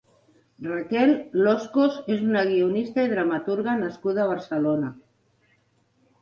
Raquel Loscos és una guionista i dramaturga nascuda a Barcelona.